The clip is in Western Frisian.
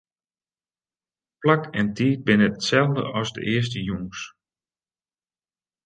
Plak en tiid binne itselde as de earste jûns.